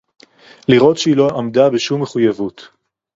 לראות שהיא לא עמדה בשום מחויבות